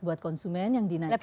buat konsumen yang dinaikkan